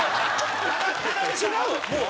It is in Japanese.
違う。